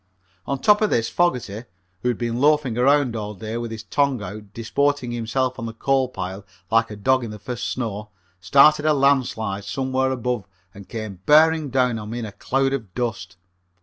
On top of this Fogerty, who had been loafing around all day with his tongue out disporting himself on the coal pile like a dog in the first snow, started a landslide somewhere above and came bearing down on me in a cloud of dust.